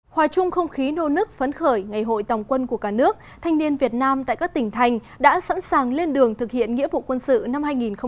hòa chung không khí nô nức phấn khởi ngày hội tòng quân của cả nước thanh niên việt nam tại các tỉnh thành đã sẵn sàng lên đường thực hiện nghĩa vụ quân sự năm hai nghìn hai mươi